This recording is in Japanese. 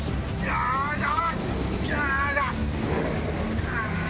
よいしょ！